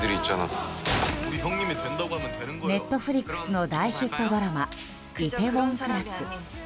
Ｎｅｔｆｌｉｘの大ヒットドラマ「梨泰院クラス」。